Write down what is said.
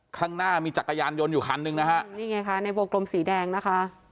ข้างหน้ามีจักรยานยนต์อยู่คันหนึ่งนะฮะนี่ไงคะในวงกลมสีแดงนะคะ